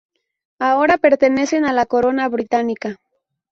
Ahora pertenecen a la Corona Británica.